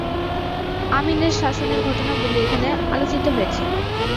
আমিনের শাসনের ঘটনাবলি এখানে আলোচিত হয়েছে।